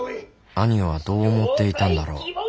兄はどう思っていたんだろう